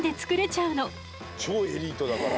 超エリートだから。